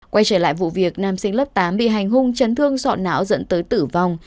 quay trở lại vụ việc nam sinh lớp tám bị hành hung chấn thương sọ não dẫn tới tử vong